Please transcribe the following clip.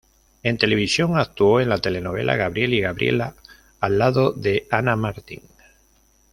En televisión actuó en la telenovela "Gabriel y Gabriela" al lado de Ana Martín.